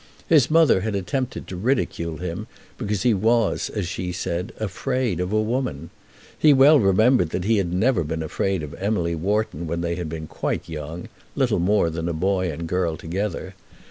His mother had attempted to ridicule him, because he was, as she said, afraid of a woman. He well remembered that he had never been afraid of Emily Wharton when they had been quite young, little more than a boy and girl together.